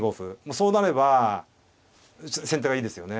そうなればいいですよね。